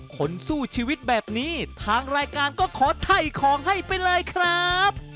คนสู้ชีวิตแบบนี้ทางรายการก็ขอไถ่ของให้ไปเลยครับ